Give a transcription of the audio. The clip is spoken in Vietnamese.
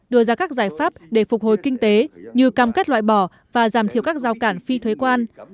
đưa ra các giải pháp để phục hồi kinh tế như cam kết loại bỏ và giảm thiểu các giao cản phi thuế quan